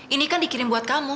ini kan dikirim buat kamu